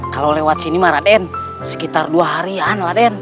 kalau lewat sini mah raden sekitar dua harian lah den